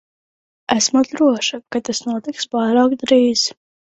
Esmu droša, ka tas notiks pārāk drīz.